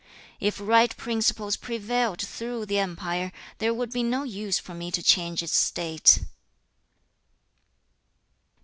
If right principles prevailed through the empire, there would be no use for me to change its state.'